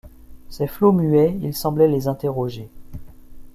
Ces flots muets, il semblait les interroger.